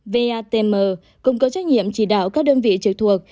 vatm cũng có trách nhiệm chỉ đạo các đơn vị trực thuộc